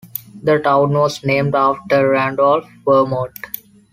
The town was named after Randolph, Vermont.